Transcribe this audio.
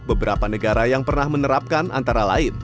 beberapa negara yang pernah menerapkan antara lain